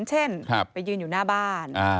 เช่นไปยืนอยู่หน้าบ้าน